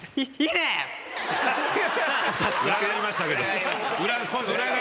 声が裏返りましたけど。